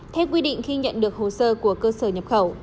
theo quy định khi nhận được hồ sơ của cơ sở nhập khẩu